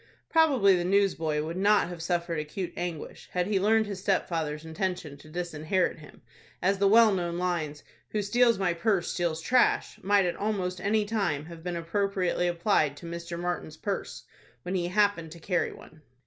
Probably the newsboy would not have suffered acute anguish, had he learned his stepfather's intention to disinherit him, as the well known lines, "Who steals my purse, steals trash," might at almost any time have been appropriately applied to Mr. Martin's purse, when he happened to carry one.